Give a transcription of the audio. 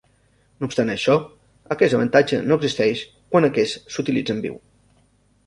No obstant això, aquest avantatge no existeix quan aquest s'utilitza en viu.